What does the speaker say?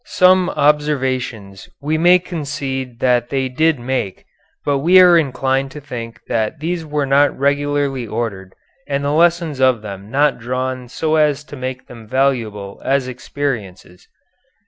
Some observations we may concede that they did make, but we are inclined to think that these were not regularly ordered and the lessons of them not drawn so as to make them valuable as experiences.